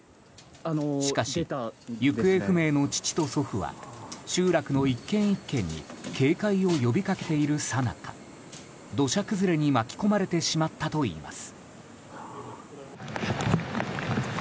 しかし、行方不明の父と祖父は集落の１軒１軒に警戒を呼び掛けているさなか土砂崩れに巻き込まれてしまったといいます。